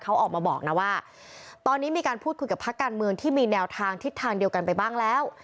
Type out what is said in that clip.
เขาออกมาบอกนะว่าตอนนี้มีการพูดคุยกับพักการเมืองที่มีแนวทางทิศทางเดียวกันไปบ้างแล้ว